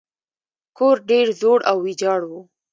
کور ډیر زوړ او ویجاړ و.